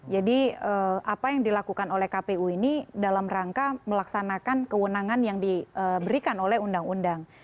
jadi apa yang dilakukan oleh kpu ini dalam rangka melaksanakan kewenangan yang diberikan oleh undang undang